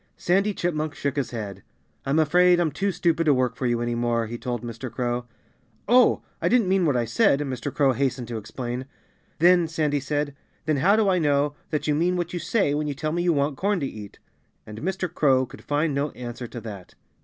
Sandy Chipmunk shook his head. "I'm afraid I'm too stupid to work for you any more," he told Mr. Crow. "Oh! I didn't mean what I said," Mr. Crow hastened to explain. "Then " Sandy said "then how do I know that you mean what you say when you tell me you want corn to eat?" And Mr. Crow could find no answer to that.